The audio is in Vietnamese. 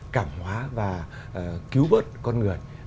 cảm hóa và cứu vớt con người